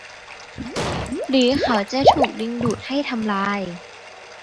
หรือเขาจะถูกดึงดูดให้ทำลาย